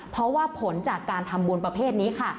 เพราะว่าผลจากการทำบุญประเภทนี้ค่ะ